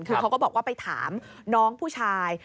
คือเขาก็บอกว่าไปถามน้องผู้ชาย